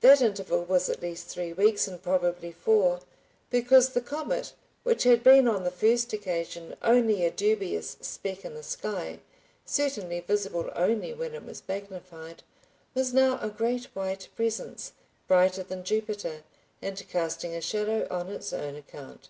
That interval was at least three weeks, and probably four, because the comet which had been on the first occasion only a dubious speck in the sky, certainly visible only when it was magnified, was now a great white presence, brighter than Jupiter, and casting a shadow on its own account.